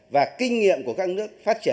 và kinh nghiệm của các nước phát triển